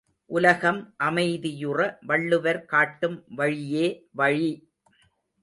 உலகம் அமைதியுற வள்ளுவர் காட்டும் வழியே வழி!